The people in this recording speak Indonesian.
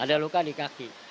ada luka di kaki